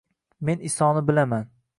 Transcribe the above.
Men Isoni bilaman